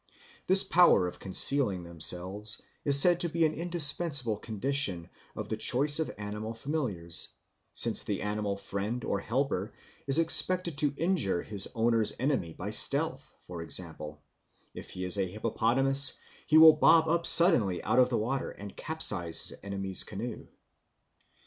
This power of concealing themselves is said to be an indispensable condition of the choice of animal familiars, since the animal friend or helper is expected to injure his owner's enemy by stealth; for example, if he is a hippopotamus, he will bob up suddenly out of the water and capsize the enemy's canoe.